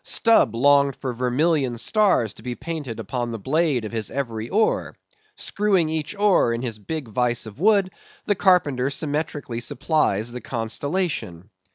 Stubb longed for vermillion stars to be painted upon the blade of his every oar; screwing each oar in his big vice of wood, the carpenter symmetrically supplies the constellation.